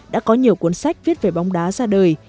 đã có nhiều cuốn sách viết về bóng đá ra đời